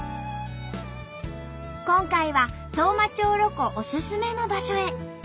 今回は当麻町ロコおすすめの場所へ。